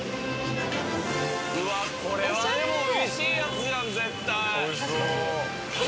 うわこれはでもおいしいやつじゃん絶対！